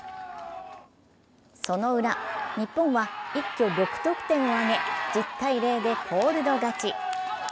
その裏、日本は一挙６得点を挙げ１０ー０でコールド勝ち。